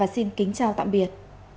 xin chào tạm biệt